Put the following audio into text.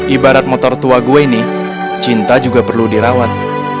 ibarat motor tua gue ini cinta juga perlu dirawat